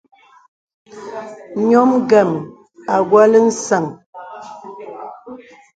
Ǹyɔ̄m ngəm à wɔ̄lə̀ nsəŋ.